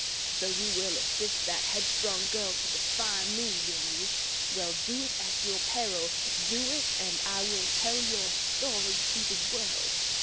"So you will assist that headstrong girl to defy me, will you? Well, do it at your peril! Do it, and I will tell your story to the world.